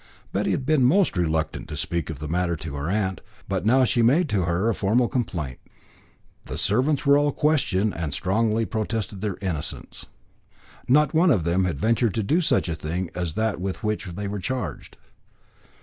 Betty had been most reluctant to speak of the matter to her aunt, but now she made to her a formal complaint. The servants were all questioned, and strongly protested their innocence. Not one of them had ventured to do such a thing as that with which they were charged.